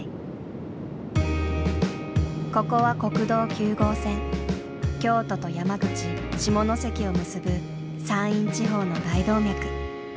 ここは京都と山口・下関を結ぶ山陰地方の大動脈。